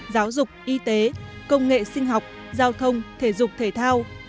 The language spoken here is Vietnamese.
giáo dục y tế công nghệ sinh học giao thông thể dục thể thao